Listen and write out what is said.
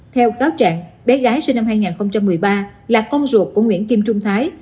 theo cáo trạng bé gái sinh năm hai nghìn một mươi ba là con ruột của nguyễn kim trung thái